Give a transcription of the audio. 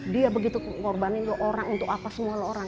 dia begitu korbanin lu orang untuk apa semua lu orang